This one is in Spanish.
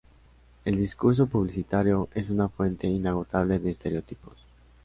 El discurso publicitario es una fuente inagotable de estereotipos.